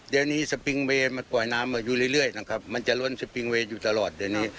เดี๋ยวนี้มันปล่อยน้ำอยู่เรื่อยเรื่อยนะครับมันจะล้นอยู่ตลอดเดี๋ยวนี้